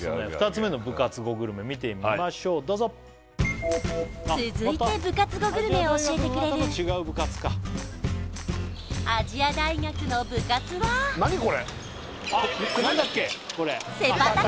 ２つ目の部活後グルメ見てみましょうどうぞ続いて部活後グルメを教えてくれる亜細亜大学の部活ははい！